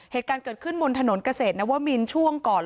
เหตุการณ์เกิดขึ้นบนถนนเกษตรนวมินช่วงก่อน